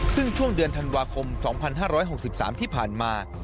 ซึ่งช่วงเดือนธันวาคม๒๕๖๓ที่ผ่านมา